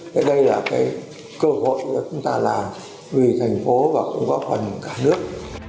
thế đây là cái cơ hội để chúng ta làm vì thành phố và cũng có phần cả nước